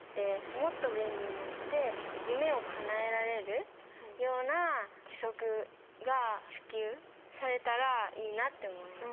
もっと便利になって夢をかなえられるような義足が普及されたらいいなって思います。